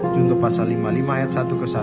juntuh pasal lima puluh lima ayat satu ke satu